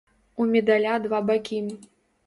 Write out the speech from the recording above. У медаля два бакі.